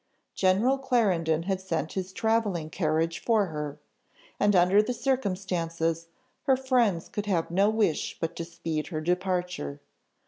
General Clarendon had sent his travelling carriage for her; and under the circumstances, her friends could have no wish but to speed her departure.